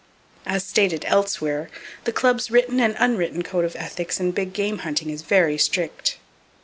As stated elsewhere, the club's written and unwritten code of ethics in big game hunting is very strict.